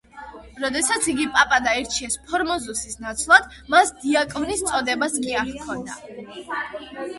როდესაც იგი პაპად აირჩიეს ფორმოზუსის ნაცვლად, მას დიაკვნის წოდებაც კი არ ჰქონდა.